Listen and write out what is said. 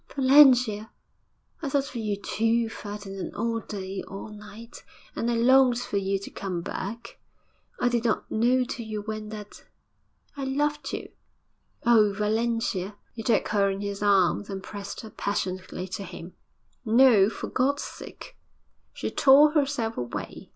'Valentia!' 'I thought of you, too, Ferdinand, all day, all night. And I longed for you to come back. I did not know till you went that I loved you.' 'Oh, Valentia!' He took her in his arms and pressed her passionately to him. 'No, for God's sake!' She tore herself away.